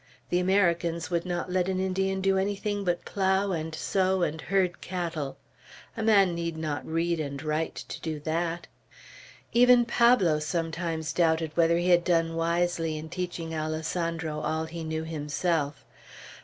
The Americans would not let an Indian do anything but plough and sow and herd cattle. A man need not read and write, to do that. Even Pablo sometimes doubted whether he had done wisely in teaching Alessandro all he knew himself.